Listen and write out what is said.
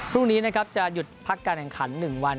พรุ่งนี้นะครับจะหยุดพักการแข่งขัน๑วัน